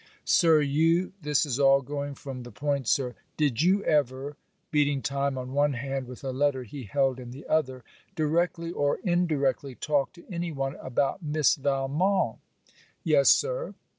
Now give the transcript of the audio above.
'Sir, you this is all going from the point, Sir. Did you ever .' beating time on one hand with a letter he held in the other, 'directly or indirectly talk to any one about Miss Valmont?' 'Yes, Sir.'